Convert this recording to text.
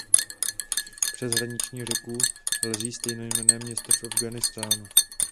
Přes hraniční řeku leží stejnojmenné město v Afghánistánu.